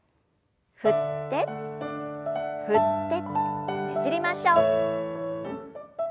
振って振ってねじりましょう。